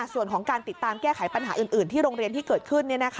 ส่วนของการติดตามแก้ไขปัญหาอื่นที่โรงเรียนที่เกิดขึ้น